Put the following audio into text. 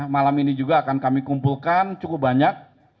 malam ini juga akan kami kumpulkan cukup banyak